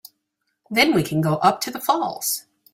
Then we can go up to the falls.